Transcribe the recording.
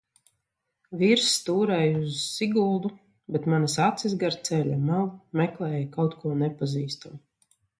Vīrs stūrēja uz Siguldu, bet manas acis gar ceļa malu meklēja kaut ko nepazīstamu.